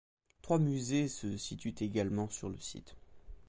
Trois musées se situent également sur le site.